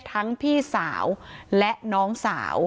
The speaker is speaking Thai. พี่สาวและน้องสาว